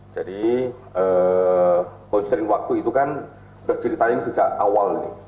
jadi konstrin waktu itu kan sudah diceritain sejak awal nih